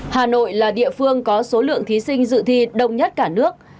hà nội là địa phương có số lượng thí sinh dự thi đông nhất cả nước